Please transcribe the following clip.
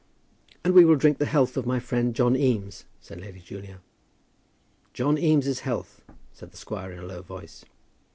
"And we will drink the health of my friend, John Eames," said Lady Julia. "John Eames' health," said the squire, in a low voice.